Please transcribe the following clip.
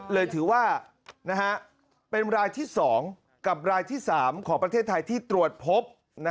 เลยถือว่าเป็นรายที่๒กับรายที่๓ของประเทศไทยที่ตรวจพบ